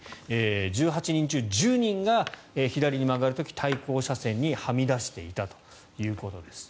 １８人中１０人が左に曲がる時、対向車線にはみ出していたということです。